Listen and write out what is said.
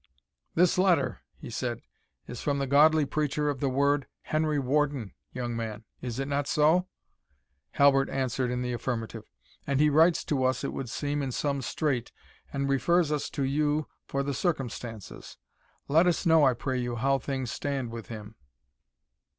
"This letter," he said, "is from the godly preacher of the word, Henry Warden, young man? is it not so?" Halbert answered in the affirmative. "And he writes to us, it would seem, in some strait, and refers us to you for the circumstances. Let us know, I pray you, how things stand with him."